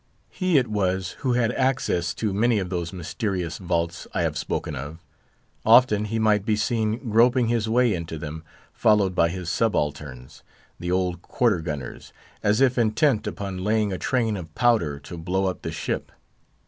He it was who had access to many of those mysterious vaults I have spoken of. Often he might be seen groping his way into them, followed by his subalterns, the old quarter gunners, as if intent upon laying a train of powder to blow up the ship.